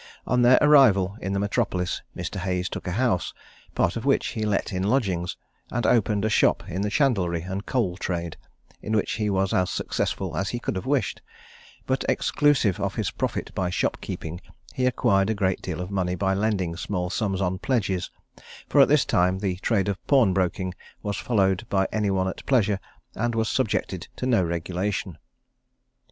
On their arrival in the metropolis, Mr. Hayes took a house, part of which he let in lodgings, and opened a shop in the chandlery and coal trade, in which he was as successful as he could have wished, but exclusive of his profit by shop keeping, he acquired a great deal of money by lending small sums on pledges, for at this time the trade of pawnbroking was followed by any one at pleasure, and was subjected to no regulation.